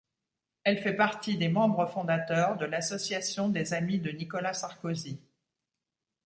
Elle fait partie des membres fondateurs de l’Association des amis de Nicolas Sarkozy.